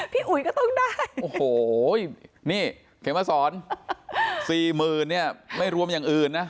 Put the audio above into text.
อุ๋ยก็ต้องได้โอ้โหนี่เขมมาสอนสี่หมื่นเนี่ยไม่รวมอย่างอื่นนะ